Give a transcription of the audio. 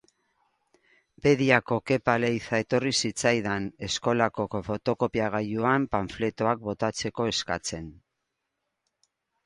Bediako Kepa Leiza etorri zitzaidan, eskolako fotokopiagailuan panfletoak botatzeko eskatzen.